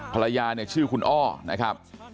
ภรรยาเนี่ยชื่อคุณอ้อนะครับ